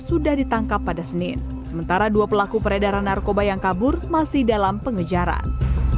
sudah ditangkap pada senin sementara dua pelaku peredaran narkoba yang kabur masih dalam pengejaran